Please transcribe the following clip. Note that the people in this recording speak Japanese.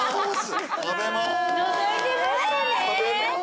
のぞいてましたね？